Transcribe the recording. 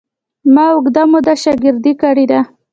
ما اوږده موده شاګردي کړې ده.